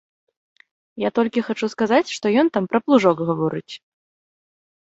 Я толькі хачу сказаць, што ён там пра плужок гаворыць.